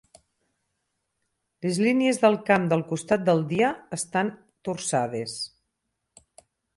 Les línies de camp del costat del dia estan torçades.